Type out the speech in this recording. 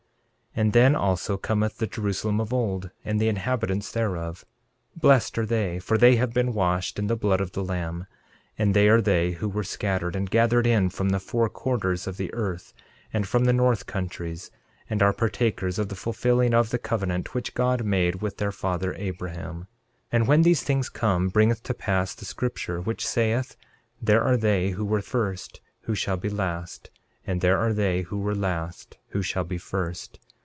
13:11 And then also cometh the Jerusalem of old; and the inhabitants thereof, blessed are they, for they have been washed in the blood of the Lamb; and they are they who were scattered and gathered in from the four quarters of the earth, and from the north countries, and are partakers of the fulfilling of the covenant which God made with their father, Abraham. 13:12 And when these things come, bringeth to pass the scripture which saith, there are they who were first, who shall be last; and there are they who were last, who shall be first.